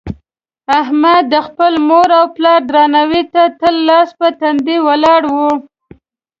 احمد د خپل مور او پلار درناوي ته تل لاس په تندي ولاړ وي.